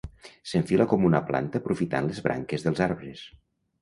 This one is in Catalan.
S'enfila com una planta aprofitant les branques dels arbres.